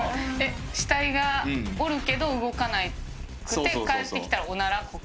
死体がおるけど動かなくて帰ってきたらオナラこく？